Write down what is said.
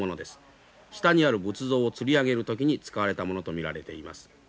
下にある仏像をつり上げる時に使われたものと見られています。